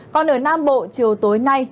còn ở nam bộ chiều tối nay